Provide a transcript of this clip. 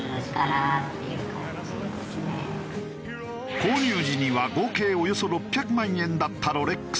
購入時には合計およそ６００万円だったロレックス。